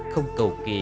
không cầu kỳ